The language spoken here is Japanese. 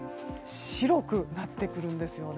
白くなってくるんですよね。